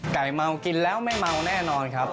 เมากินแล้วไม่เมาแน่นอนครับ